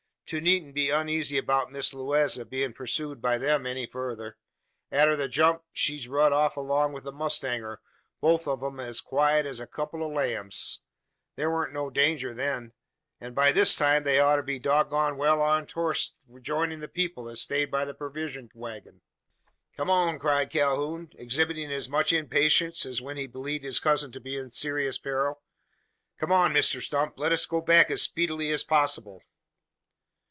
To needn't be uneezy 'bout Miss Lewaze bein' pursooed by them any further. Arter the jump, she's rud off along wi' the mowstanger both on 'em as quiet as a kupple o' lambs. Thur wa'n't no danger then; an by this time, they oughter be dog goned well on torst rejoinin' the people as stayed by the purvision waggon." "Come on!" cried Calhoun, exhibiting as much impatience as when he believed his cousin to be in serious peril. "Come on, Mr Stump! Let us get back as speedily as possible!"